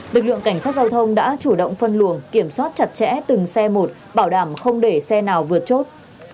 lực lượng cảnh sát giao thông đã chủ động phân luồng kiểm soát chặt chẽ từng xe một bảo đảm không để xe nào vượt chốt